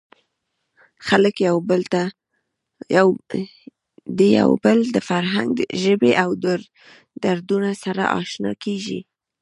خلک د یو بل د فرهنګ، ژبې او دودونو سره اشنا کېږي.